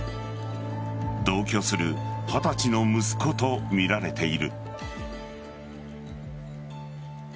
同居する二十歳の息子とみられている。